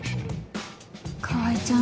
川合ちゃん